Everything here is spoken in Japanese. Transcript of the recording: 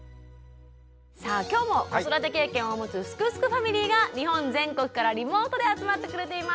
さあ今日も子育て経験を持つ「すくすくファミリー」が日本全国からリモートで集まってくれています。